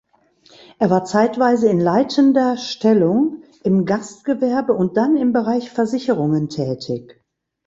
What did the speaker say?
Er war zeitweise in leitender Stellung im Gastgewerbe und dann im Bereich Versicherungen tätig.